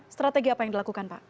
strategi apa yang dilakukan pak